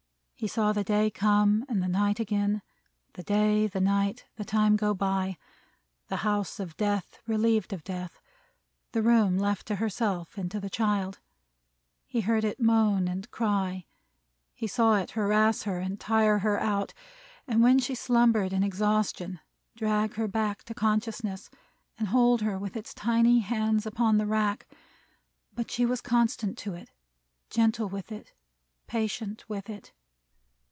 He saw the day come, and the night again; the day, the night; the time go by; the house of death relieved of death; the room left to herself and to the child; he heard it moan and cry; he saw it harass her, and tire her out, and when she slumbered in exhaustion, drag her back to consciousness, and hold her with its little hands upon the rack; but she was constant to it, gentle with it, patient with it.